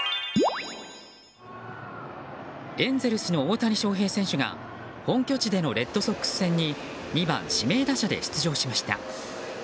エンゼルスの大谷翔平選手が本拠地でのレッドソックス戦に２番指名打者で出場しました。